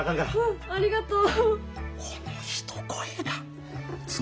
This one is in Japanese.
ああありがとう。